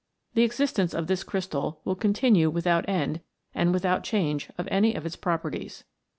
The existence of this crystal will continue without end and without change of any of its properties.